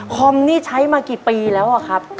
คอมนี่ใช้มากี่ปีแล้วอะครับ